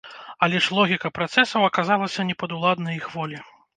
Але ж логіка працэсаў аказалася непадуладнай іх волі.